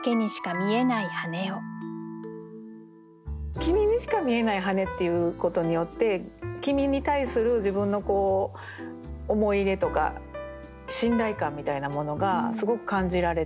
「きみにしか見えない羽根」っていうことによって「きみ」に対する自分の思い入れとか信頼感みたいなものがすごく感じられて。